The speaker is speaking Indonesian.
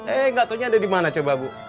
eh gak taunya ada dimana coba bu